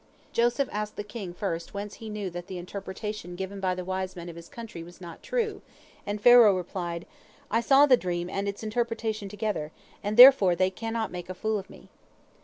" Joseph asked the king first whence he knew that the interpretation given by the wise men of his country was not true, and Pharaoh replied, "I saw the dream and its interpretation together, and therefore they cannot make a fool of me."